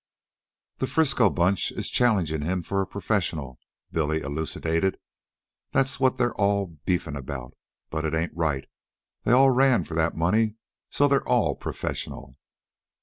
"The Frisco bunch is challengin' him for a professional," Billy elucidated. "That's what they're all beefin' about. But it ain't right. They all ran for that money, so they're all professional."